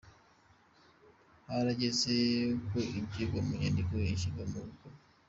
Harageze ko ibyigwa mu nyandiko bishyirwa no mu bikorwa